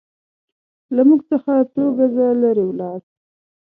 له موږ څخه څو ګزه لرې ولاړ.